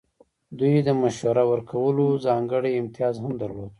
دوی د مشوره ورکولو ځانګړی امتیاز هم درلود.